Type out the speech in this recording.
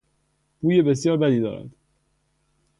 بوی بسیار بدی دارد!